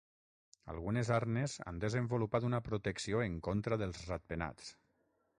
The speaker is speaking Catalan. Algunes arnes han desenvolupat una protecció en contra dels ratpenats.